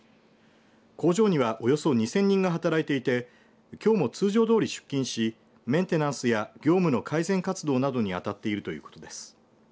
工場にはおよそ２０００人が働いていてきょうも通常どおり出勤しメンテナンスや業務の改善活動などに当たっているということです。